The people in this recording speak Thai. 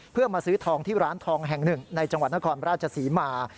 เพื่อมาซื้อทองที่ร้านทองแห่งหนึ่งในจังหวัดนครราชศรีมา